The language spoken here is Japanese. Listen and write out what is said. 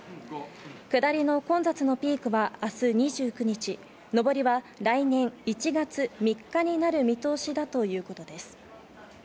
下りの混雑のピークは明日２９日、上りは来年１月３日になる見通しだということです。